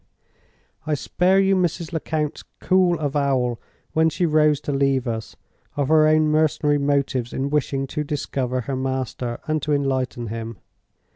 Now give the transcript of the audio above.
"I spare you Mrs. Lecount's cool avowal, when she rose to leave us, of her own mercenary motives in wishing to discover her master and to enlighten him.